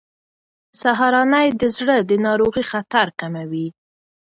سهارنۍ د زړه د ناروغۍ خطر کموي.